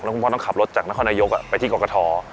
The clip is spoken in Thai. คุณพ่อต้องขับรถจากนครนายกไปที่กรกฐ